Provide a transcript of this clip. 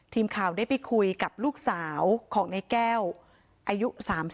ทีมข่าวได้ไปคุยกับลูกสาวของในแก้วอายุ๓๒